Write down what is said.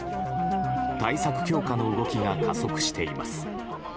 対策強化の動きが加速しています。